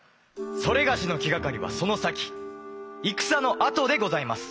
それがしの気がかりはその先戦のあとでございます。